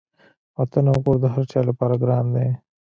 وطن او کور د هر چا لپاره ګران دی.